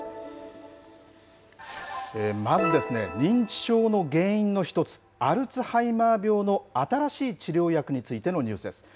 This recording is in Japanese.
まずですね、認知症の原因の一つ、アルツハイマー病の新しい治療薬についてのニュースです。